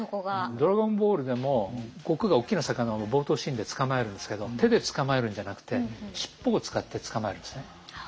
「ドラゴンボール」でも悟空がおっきな魚を冒頭シーンで捕まえるんですけど手で捕まえるんじゃなくて尻尾を使って捕まえるんですね。